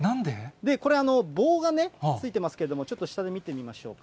これ、棒が付いてますけれども、ちょっと下で見てみましょうか。